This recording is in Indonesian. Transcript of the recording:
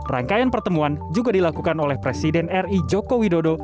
rangkaian pertemuan juga dilakukan oleh presiden ri joko widodo